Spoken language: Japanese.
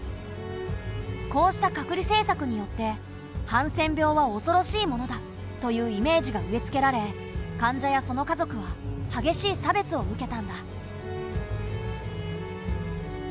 こうした隔離政策によって「ハンセン病はおそろしいものだ」というイメージが植え付けられ患者やその家族は激しい差別を受けたんだ。